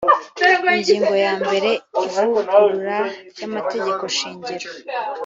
ingingo ya mbere ivugurura ry amategeko shingiro